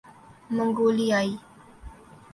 منگولیائی